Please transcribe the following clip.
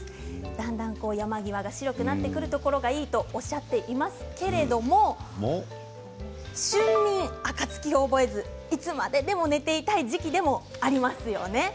だんだん山際が白くなってくるところがいいとおっしゃっていますけれども春眠暁を覚えずいつまででも寝ていたい時期でもありますよね。